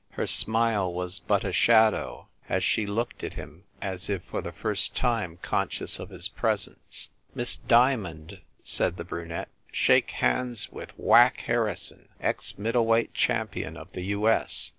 Her smile was but a shadow, as she looked at him, as if for the first time conscious of his presence. "Miss Diamond," said the brunette, "shake hands with Whack Harrison, ex middle weight champion of the U. S."